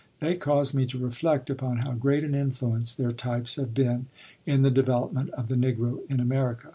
They caused me to reflect upon how great an influence their types have been in the development of the Negro in America.